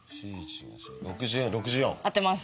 合ってます。